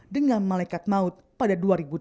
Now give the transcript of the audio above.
dengan malaikat maut pada dua ribu delapan